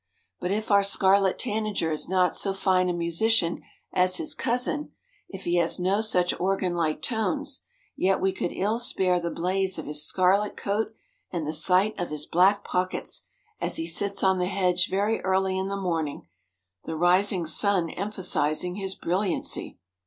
But if our scarlet tanager is not so fine a musician as his cousin, if he has no such organ like tones, yet we could ill spare the blaze of his scarlet coat and the sight of his black pockets, as he sits on the hedge very early in the morning—the rising sun emphasizing his brilliancy.